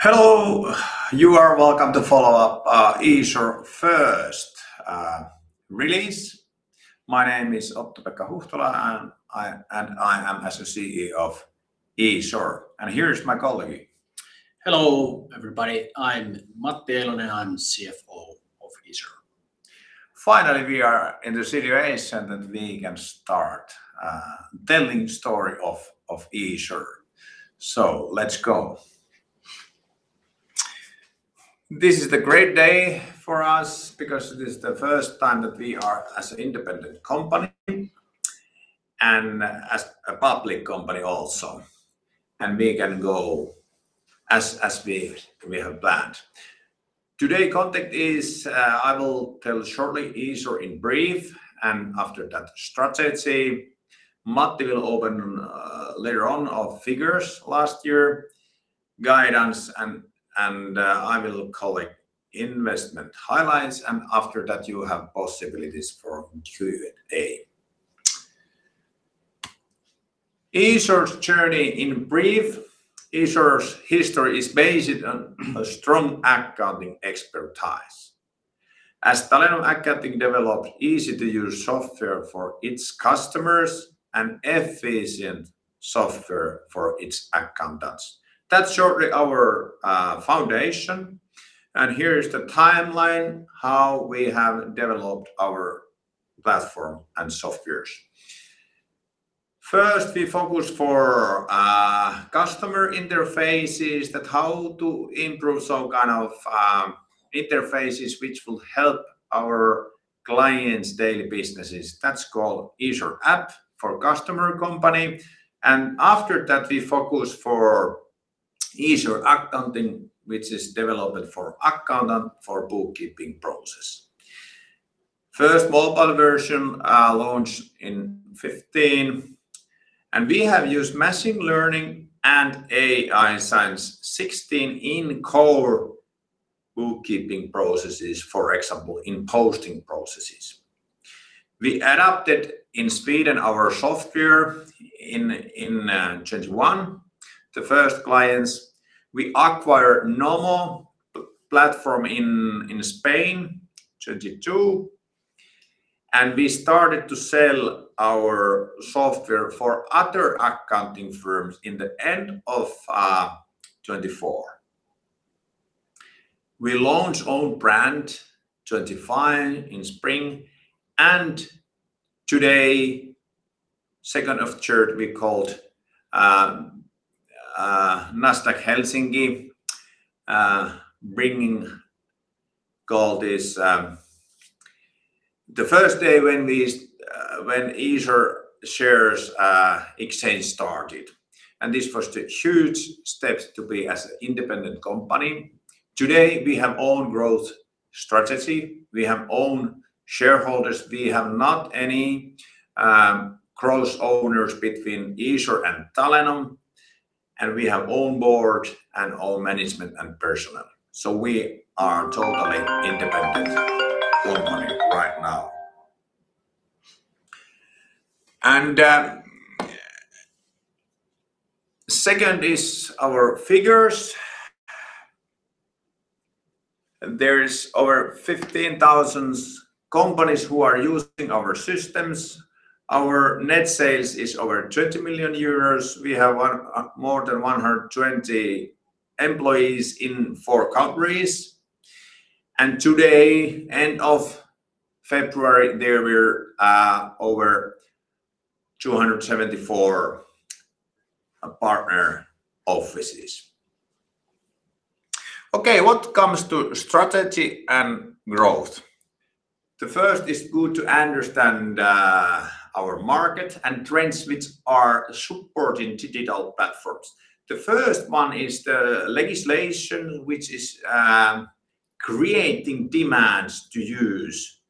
Hello. You are welcome to follow up, Easor first, release. My name is Otto-Pekka Huhtala, and I am the CEO of Easor. Here is my colleague. Hello, everybody. I'm Matti Elonen. I'm CFO of Easor. Finally, we are in the situation that we can start telling story of Easor. Let's go. This is the great day for us because it is the first time that we are as an independent company and as a public company also, and we can go as we have planned. Today context is, I will tell shortly Easor in brief, and after that strategy. Matti will open later on our figures last year, guidance and I will call it investment highlights. After that, you have possibilities for Q&A. Easor's journey in brief. Easor's history is based on a strong accounting expertise. As Talenom Accounting developed easy-to-use software for its customers and efficient software for its accountants. That's shortly our foundation, and here is the timeline, how we have developed our platform and softwares. First, we focused on customer interfaces on how to improve some kind of interfaces which will help our clients' daily businesses. That's called Easor App for customer company. After that, we focused on Easor Accounting, which is development for accountant for bookkeeping process. First mobile version launched in 2015, and we have used machine learning and AI since 2016 in core bookkeeping processes, for example, in posting processes. We adapted in speed and our software in 2021. The first clients we acquired Nomo platform in Spain 2022. We started to sell our software to other accounting firms in the end of 2024. We launched own brand 2025 in spring. Today, second of third, we call Nasdaq Helsinki bell-ringing call this the first day when Easor shares exchange started. This was the huge steps to be as independent company. Today, we have own growth strategy. We have own shareholders. We have not any cross-owners between Easor and Talenom, and we have own board and own management and personnel. We are totally independent company right now. Second is our figures. There is over 15,000 companies who are using our systems. Our net sales is over 20 million euros. We have more than 120 employees in four countries. Today, end of February, there were over 274 partner offices. Okay, what comes to strategy and growth? The first is good to understand our market and trends which are supporting digital platforms. The first one is the legislation, which is creating demands to use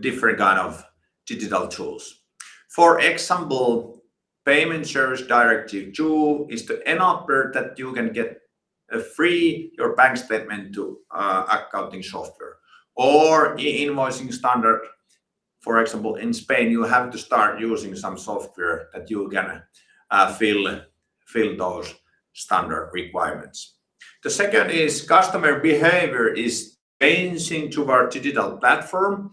different kind of digital tools. For example, Payment Services Directive 2 is to enable that you can get your bank statement for free to accounting software, or e-invoicing standard. For example, in Spain, you have to start using some software that you can fill those standard requirements. The second is customer behavior is changing to our digital platform.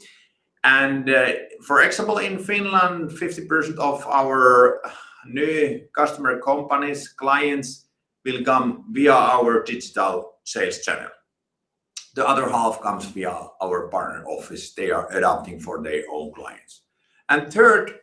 For example, in Finland, 50% of our new customer companies, clients will come via our digital sales channel. The other half comes via our partner office. They are adapting for their own clients. Third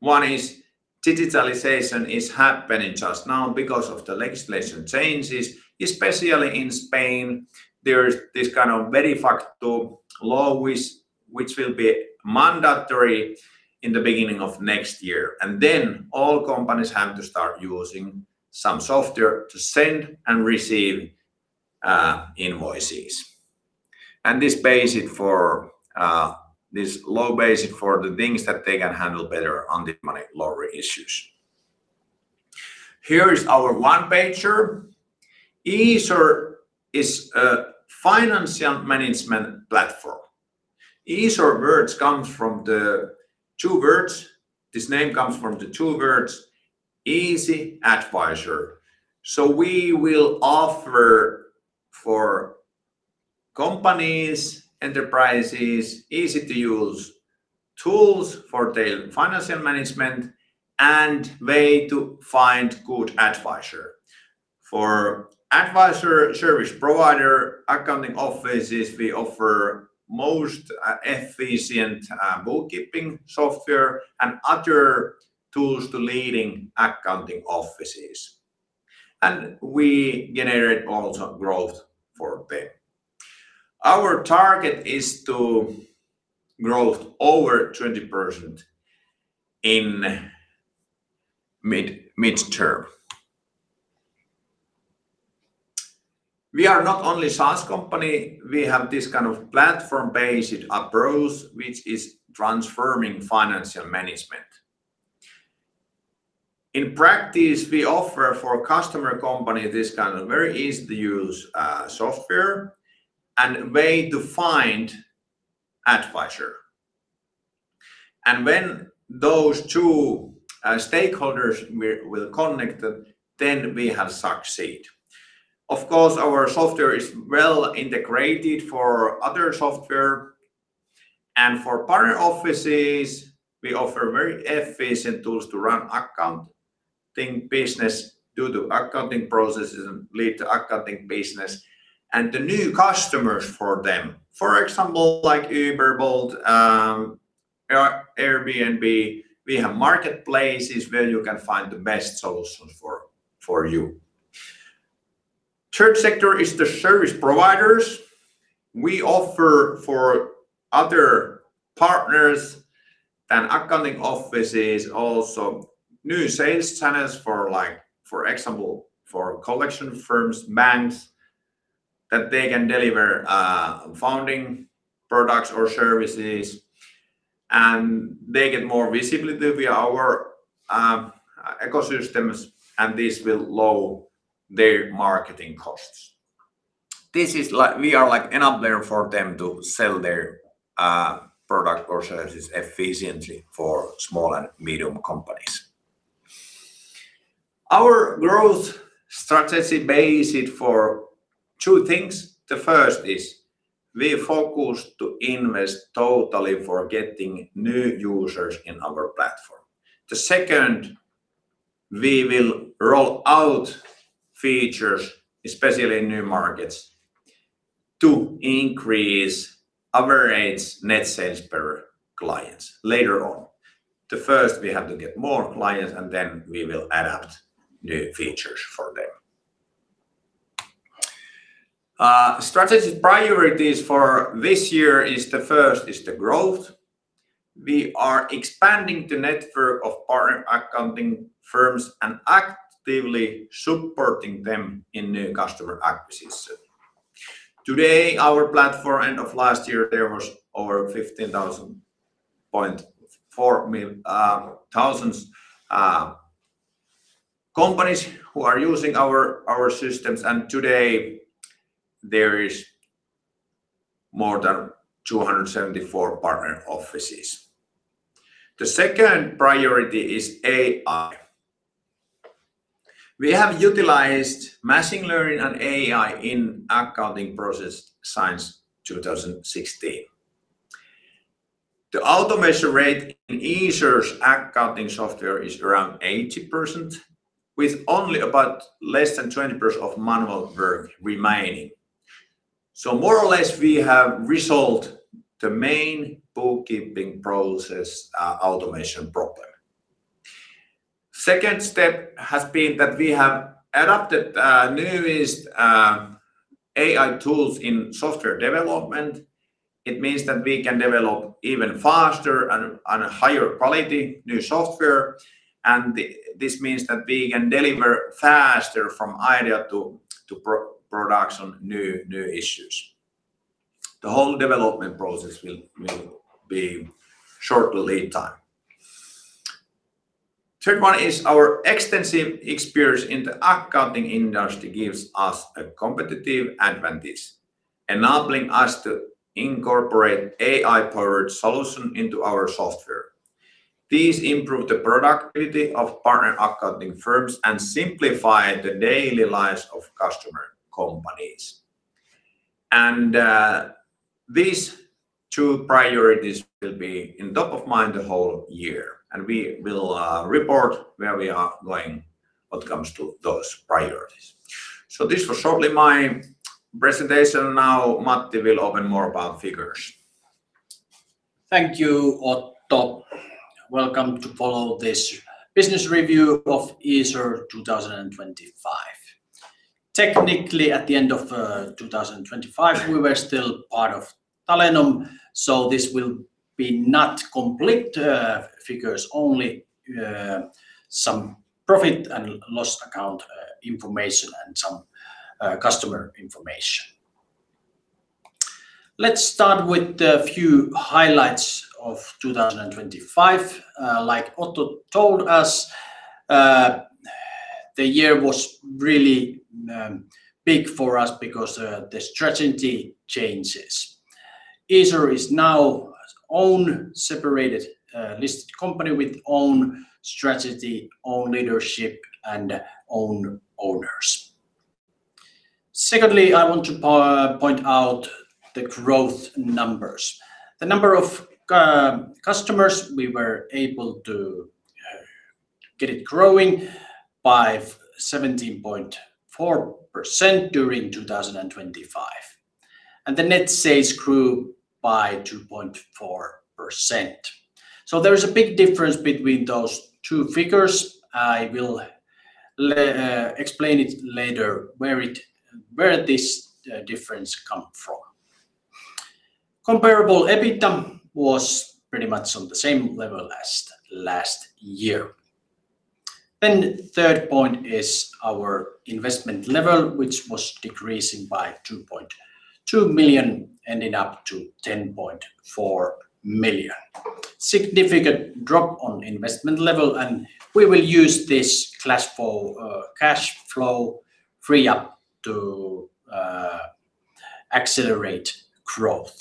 one is digitalization is happening just now because of the legislation changes, especially in Spain. There's this kind of benefactor Law which will be mandatory in the beginning of next year. Then all companies have to start using some software to send and receive invoices. This law is basic for the things that they can handle better on the money laundering issues. Here is our one-pager. Easor is a financial management platform. The name comes from the two words, easy, advisor. We will offer for companies, enterprises, easy-to-use tools for their financial management and way to find good advisor. For advisor, service provider, accounting offices, we offer most efficient bookkeeping software and other tools to leading accounting offices. We generate also growth for them. Our target is to growth over 20% in midterm. We are not only SaaS company, we have this kind of platform-based approach which is transforming financial management. In practice, we offer for customer company this kind of very easy-to-use software and way to find advisor. When those two stakeholders will connect, then we have succeed. Of course, our software is well integrated for other software and for partner offices, we offer very efficient tools to run accounting business due to accounting processes and lead to accounting business and the new customers for them. For example, like Uber, Bolt, Airbnb, we have marketplaces where you can find the best solution for you. Third sector is the service providers. We offer for other partners and accounting offices also new sales channels for, like, for example, for collection firms, banks, that they can deliver funding products or services, and they get more visibility via our ecosystems, and this will lower their marketing costs. This is like we are like enabler for them to sell their product or services efficiently for small and medium companies. Our growth strategy based for two things. The first is we focus to invest totally for getting new users in our platform. The second, we will roll out features, especially in new markets, to increase average net sales per clients later on. The first, we have to get more clients, and then we will adapt new features for them. Strategic priorities for this year is the first is the growth. We are expanding the network of partner accounting firms and actively supporting them in new customer acquisition. Today, our platform end of last year, there was over 15,400 companies who are using our systems, and today there is more than 274 partner offices. The second priority is AI. We have utilized machine learning and AI in accounting process since 2016. The automation rate in Easor's accounting software is around 80%, with only about less than 20% of manual work remaining. More or less, we have resolved the main bookkeeping process, automation problem. Second step has been that we have adopted newest AI tools in software development. It means that we can develop even faster and higher quality new software, and this means that we can deliver faster from idea to production new issues. The whole development process will be short lead time. Third one is our extensive experience in the accounting industry gives us a competitive advantage, enabling us to incorporate AI-powered solution into our software. These improve the productivity of partner accounting firms and simplify the daily lives of customer companies. These two priorities will be top of mind the whole year, and we will report where we are going when it comes to those priorities. This was shortly my presentation. Now Matti will open more about figures. Thank you, Otto. Welcome to our business review of Easor 2025. Technically, at the end of 2025, we were still part of Talenom, so this will not be complete figures, only some profit and loss account information and some customer information. Let's start with a few highlights of 2025. Like Otto told us, the year was really big for us because the strategy changes. Easor is now its own separate listed company with its own strategy, its own leadership and its own owners. Secondly, I want to point out the growth numbers. The number of customers, we were able to get it growing by 17.4% during 2025, and the net sales grew by 2.4%. There is a big difference between those two figures. I will explain it later where this difference come from. Comparable EBITDA was pretty much on the same level as last year. Third point is our investment level, which was decreasing by 2.2 million, ending up to 10.4 million. Significant drop on investment level and we will use this cash flow free up to accelerate growth.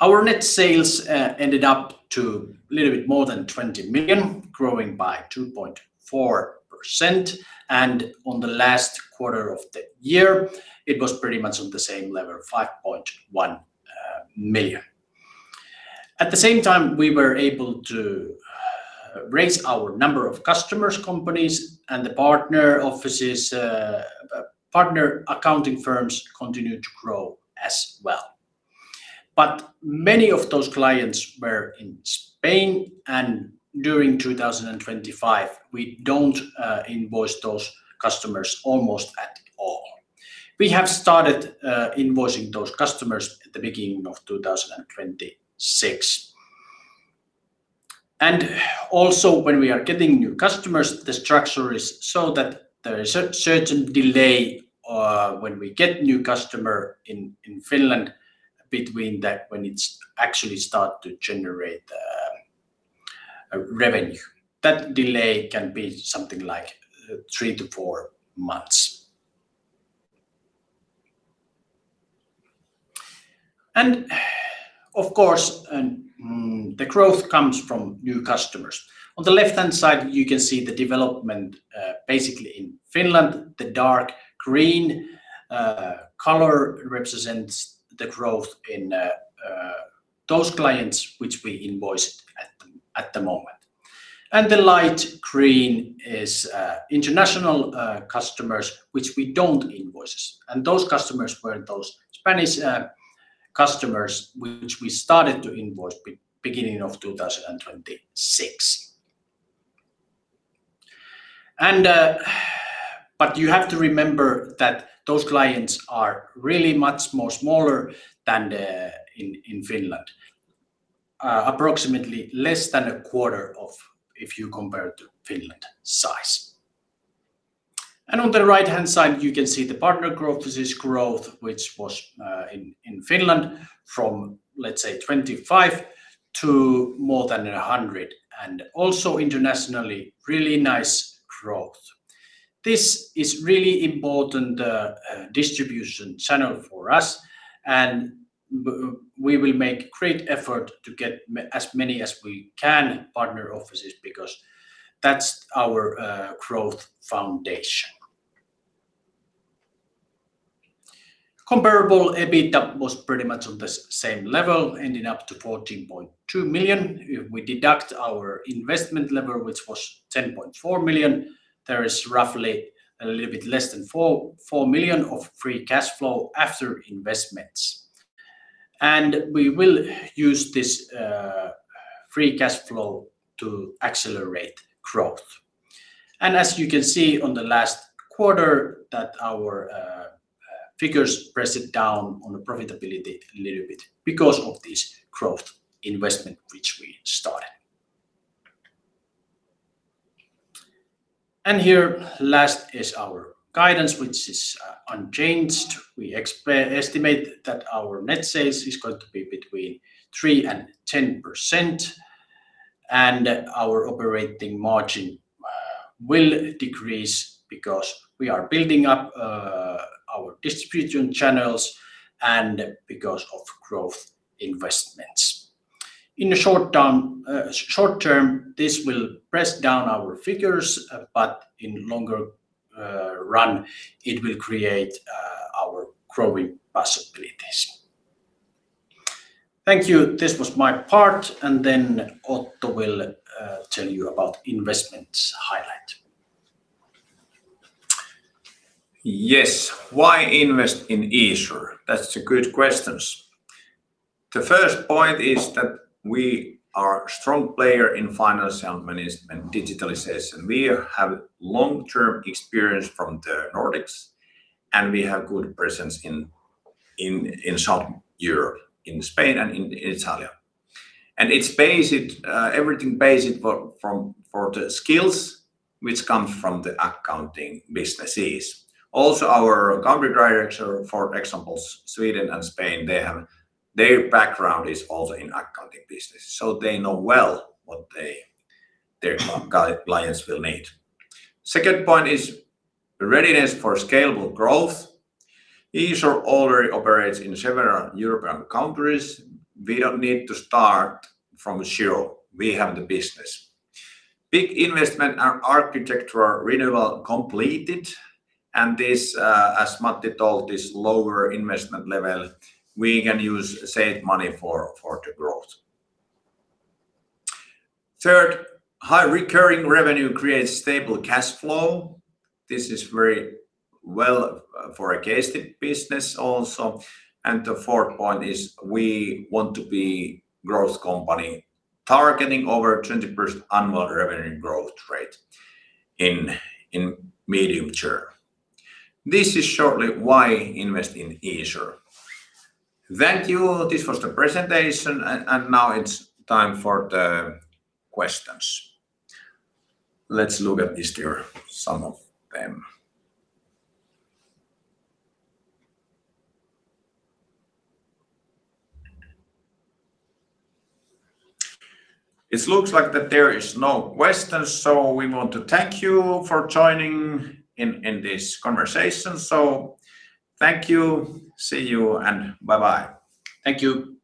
Our net sales ended up to a little bit more than 20 million, growing by 2.4%, and on the last quarter of the year it was pretty much on the same level, 5.1 million. At the same time, we were able to raise our number of customers, companies and the partner offices. Partner accounting firms continued to grow as well. Many of those clients were in Spain, and during 2025, we don't invoice those customers almost at all. We have started invoicing those customers at the beginning of 2026. Also when we are getting new customers, the structure is so that there is a certain delay when we get new customer in Finland between that when it's actually start to generate revenue. That delay can be something like three to four months. Of course, the growth comes from new customers. On the left-hand side, you can see the development basically in Finland. The dark green color represents the growth in those clients which we invoice at the moment. The light green is international customers which we don't invoice. Those customers were those Spanish customers which we started to invoice beginning of 2026. You have to remember that those clients are really much more smaller than in Finland. Approximately less than a quarter of if you compare to Finland size. On the right-hand side, you can see the partner growth, this growth which was in Finland from, let's say, 25 to more than 100, and also internationally really nice growth. This is really important distribution channel for us, and we will make great effort to get as many as we can partner offices because that's our growth foundation. Comparable EBITDA was pretty much on the same level, ending up to 14.2 million. If we deduct our investment level, which was 10.4 million, there is roughly a little bit less than 4 million of free cash flow after investments. We will use this free cash flow to accelerate growth. As you can see in the last quarter that our figures pressed down on the profitability a little bit because of this growth investment which we started. Here lastly is our guidance, which is unchanged. We estimate that our net sales is going to be between 3% and 10%, and our operating margin will decrease because we are building up our distribution channels and because of growth investments. In the short term, this will press down our figures, but in the long run it will create our growing possibilities. Thank you. This was my part, and then Otto will tell you about investment highlights. Yes. Why invest in Easor? That's a good question. The first point is that we are a strong player in financial management and digitalization. We have long-term experience from the Nordics, and we have good presence in Southern Europe, in Spain and in Italy. It's basic, everything basic for the skills which comes from the accounting businesses. Also our country director, for example, Sweden and Spain, they have. Their background is also in accounting business, so they know well what their clients will need. Second point is readiness for scalable growth. Easor already operates in several European countries. We don't need to start from zero. We have the business. Big investment, our architectural renewal completed and this, as Matti told, this lower investment level, we can use saved money for the growth. Third, high recurring revenue creates stable cash flow. This is very well for an asset-light business also. The fourth point is we want to be growth company targeting over 20% annual revenue growth rate in medium term. This is shortly why invest in Easor. Thank you. This was the presentation and now it's time for the questions. Let's look at this here, some of them. It looks like that there is no questions, so we want to thank you for joining in this conversation. Thank you. See you and bye-bye. Thank you. Bye.